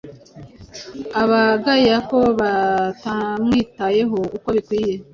abagaya ko batamwitayeho uko bikwiye.